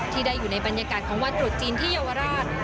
ที่ได้อยู่ในบรรยากาศของวันตรุษจีนที่เยาวราช